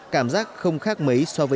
cảm giác không khác mất